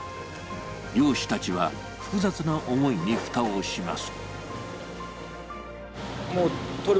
漁師たちは複雑な思いに蓋をします。